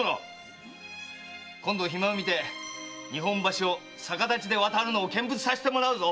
今度暇を見て日本橋を逆立ちで渡るのを見物さしてもらうぞ。